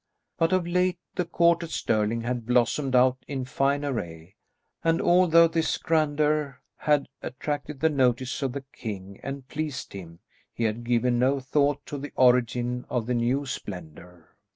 But of late the court at Stirling had blossomed out in fine array, and although this grandeur had attracted the notice of the king and pleased him, he had given no thought to the origin of the new splendour.